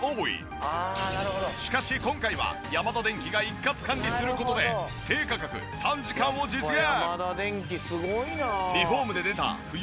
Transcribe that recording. しかし今回はヤマダデンキが一括管理する事で低価格短時間を実現！